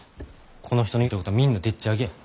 この人の言うてることはみんなでっちあげや。